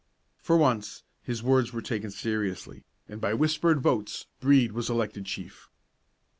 For once, his words were taken seriously, and by whispered votes Brede was elected chief.